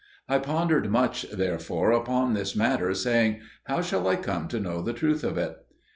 I pondered much, therefore, upon this matter, saying, "How shall I come to know the truth of it?"